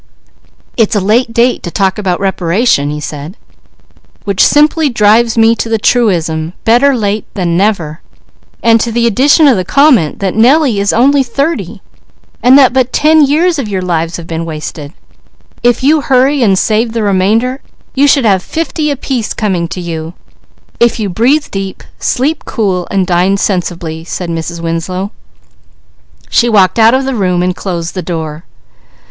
"It's a late date to talk about reparation," he said. "Which simply drives me to the truism, 'better late than never!' and to the addition of the comment that Nellie is only thirty and that but ten years of your lives have been wasted; if you hurry and save the remainder, you should have fifty apiece coming to you, if you breathe deep, sleep cool, and dine sensibly," said Mrs. Winslow. She walked out of the room and closed the door.